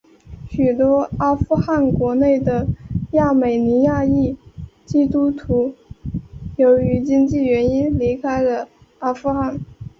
许多阿富汗国内的亚美尼亚裔基督徒由于经济原因离开了阿富汗。